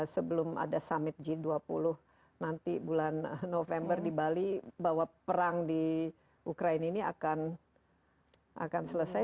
sebelum ada summit g dua puluh nanti bulan november di bali bahwa perang di ukraina ini akan selesai